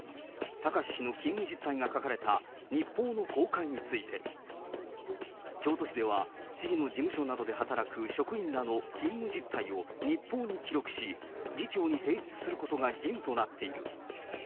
貴志氏の勤務実態が書かれた日報の公開について、京都市では、市議の事務所などで働く職員らの勤務実態を日報に記録し、議長に提出することが義務となっている。